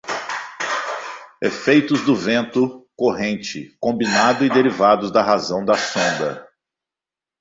Efeitos do vento, corrente, combinado e derivados da razão da sonda.